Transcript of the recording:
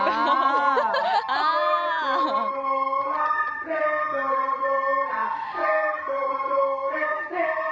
ทำอย่างที่บอก๓๔